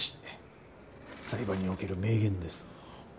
裁判における名言です。